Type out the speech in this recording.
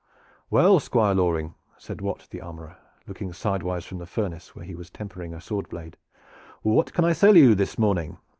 "Well, Squire Loring," said Wat the armorer, looking sidewise from the furnace where he was tempering a sword blade, "what can I sell you this morning?